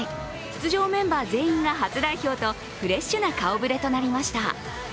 出場メンバー全員が初代表とフレッシュな顔ぶれとなりました。